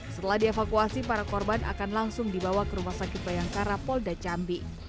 setelah dievakuasi para korban akan langsung dibawa ke rumah sakit bayangkara polda cambi